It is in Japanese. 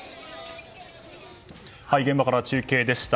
現場から中継でした。